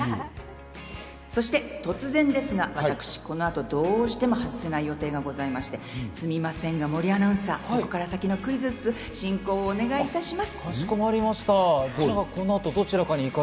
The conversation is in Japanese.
そして突然ですが、私、この後どうしても外せない予定がございまして、すみませんが、森アナウンサー、ここから先のクイズッス、進行をお願いいたします。